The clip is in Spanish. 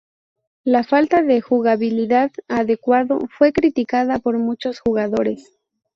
La falta de jugabilidad adecuado fue criticada por muchos jugadores.